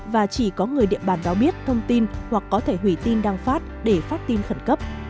và chỉ có người địa bàn đó biết thông tin hoặc có thể hủy tin đăng phát để phát tin khẩn cấp